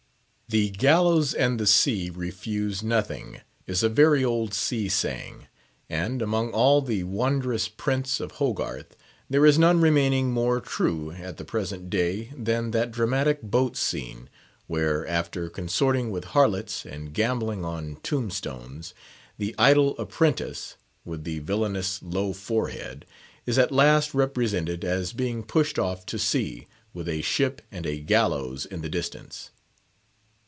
"The gallows and the sea refuse nothing," is a very old sea saying; and, among all the wondrous prints of Hogarth, there is none remaining more true at the present day than that dramatic boat scene, where after consorting with harlots and gambling on tomb stones, the Idle Apprentice, with the villainous low forehead, is at last represented as being pushed off to sea, with a ship and a gallows in the distance.